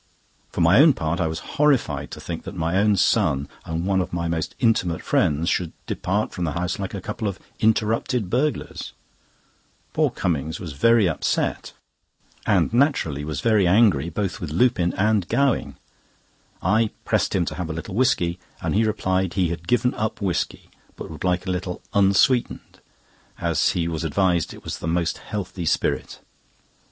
For my own part, I was horrified to think my own son and one of my most intimate friends should depart from the house like a couple of interrupted burglars. Poor Cummings was very upset, and of course was naturally very angry both with Lupin and Gowing. I pressed him to have a little whisky, and he replied that he had given up whisky; but would like a little "Unsweetened," as he was advised it was the most healthy spirit.